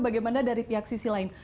bagaimana dari pihak sisi lain